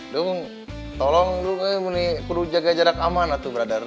dung tolong dung ini perlu jaga jarak aman itu brother